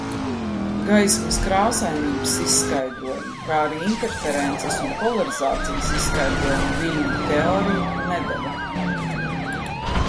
Gaismas krāsainības izskaidrojumu, kā arī interferences un polarizācijas izskaidrojumu viļņu teorija nedeva.